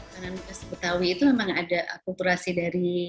masakan petawi itu memang ada akulturasi dari